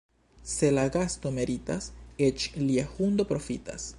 Se la gasto meritas, eĉ lia hundo profitas.